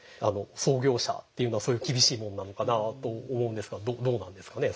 創業者っていうのはそういう厳しいものなのかなと思うんですがどうなんですかね？